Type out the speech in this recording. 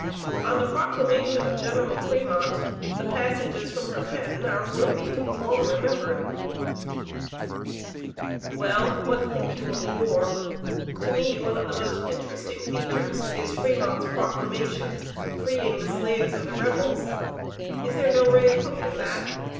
On the proclamation of General Fremont, the passages from her pen are worthy to be long remembered: "Well, what think you of the war? To me one of the most interesting features is Fremont's Proclamation freeing the slaves of the rebels. Is there no ray of hope in that?